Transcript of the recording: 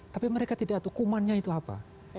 tapi mereka tidak tahu kumannya itu apa